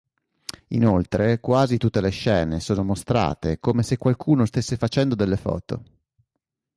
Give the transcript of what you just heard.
Inoltre quasi tutte le scene sono mostrate come se qualcuno stesse facendo delle foto.